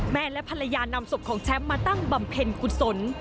แม่และภรรยานำศพของแชมป์มาตั้งบำเพ็ญกุศล